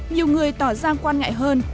nhiều người tỏ ra quan ngại hơn